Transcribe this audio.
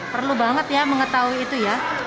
perlu banget ya mengetahui itu ya